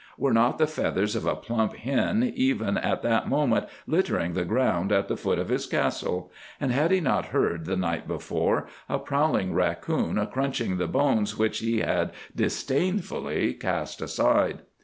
Were not the feathers of a plump hen even at that moment littering the ground at the foot of his castle, and had he not heard, the night before, a prowling raccoon crunching the bones which he had disdainfully cast aside?